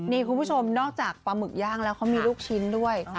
นี่คุณผู้ชมนอกจากปลาหมึกย่างแล้วเขามีลูกชิ้นด้วย